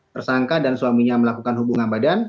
tersangka dan suaminya melakukan hubungan badan